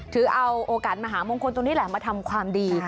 ถือเอาโอกาสมหามงคลตรงนี้แหละมาทำความดี